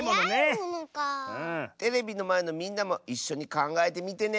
テレビのまえのみんなもいっしょにかんがえてみてね！